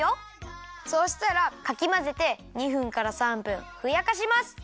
そうしたらかきまぜて２分から３分ふやかします。